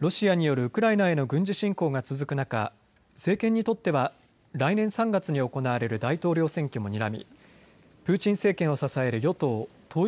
ロシアによるウクライナへの軍事侵攻が続く中政権にとっては来年３月に行われる大統領選挙もにらみプーチン政権を支える与党統一